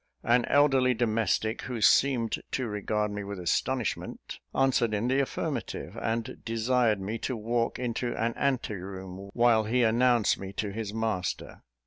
An elderly domestic, who seemed to regard me with astonishment, answered in the affirmative, and desired me to walk into an ante room, while he announced me to his master.